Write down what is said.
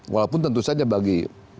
walaupun tentu saja bagi